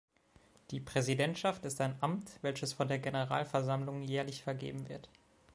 Die Präsidentschaft ist ein Amt, welches von der Generalversammlung jährlich vergeben wird.